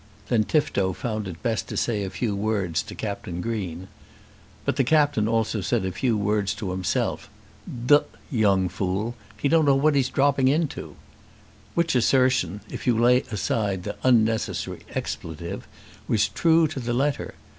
Then Tifto found it best to say a few words to Captain Green. But the Captain also said a few words to himself. "D young fool; he don't know what he's dropping into." Which assertion, if you lay aside the unnecessary expletive, was true to the letter.